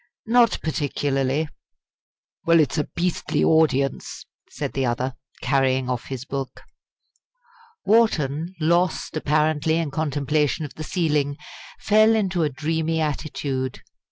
"Not particularly." "Well, it's a beastly audience!" said the other, carrying off his book. Wharton, lost apparently in contemplation of the ceiling, fell into a dreamy attitude.